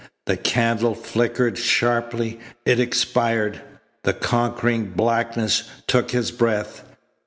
The candle flickered sharply. It expired. The conquering blackness took his breath.